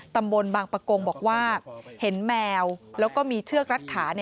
ตำบลบางปะโกงบอกว่าเห็นแมวแล้วก็มีเชือกรัดขา